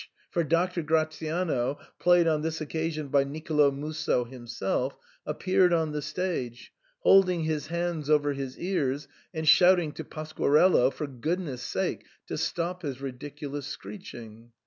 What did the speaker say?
" for Doctor Gratiano, played on this occasion by Nicolo Musso himself, appeared on the stage, holding his hands over his ears and shouting to Pasquarello for goodness' sake to stop his ridiculous screeching.